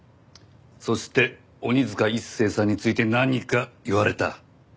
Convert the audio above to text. そして鬼塚一誠さんについて何か言われた。